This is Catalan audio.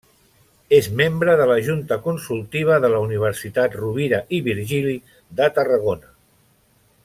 És membre de la Junta Consultiva de la Universitat Rovira i Virgili de Tarragona.